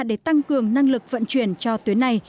để tăng cường năng lực vận chuyển cho tuyến này